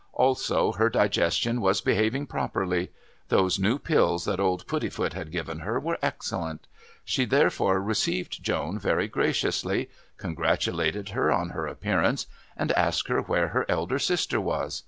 Also her digestion was behaving properly; those new pills that old Puddifoot had given her were excellent. She therefore received Joan very graciously, congratulated her on her appearance, and asked her where her elder sister was.